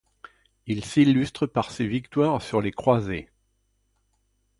Il s'illustre par ses victoires sur les croisés.